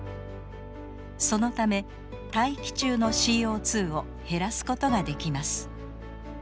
そのため大気中のＣＯを減らすことができます。